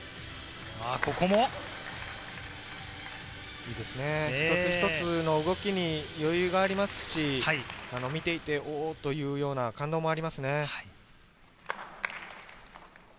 いいですね、一つ一つの動きに余裕がありますし、見ていて、お！というような感動もありますね。